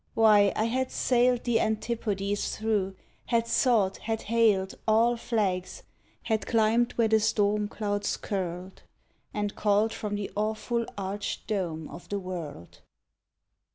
Why, I had sailed The antipodes through, had sought, had hailed All flags, had climbed where the storm clouds curled, And called from the awful arched dome of the world.